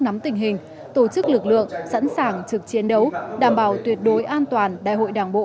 nắm tình hình tổ chức lực lượng sẵn sàng trực chiến đấu đảm bảo tuyệt đối an toàn đại hội đảng bộ